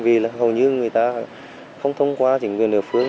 vì là hầu như người ta không thông qua chính quyền địa phương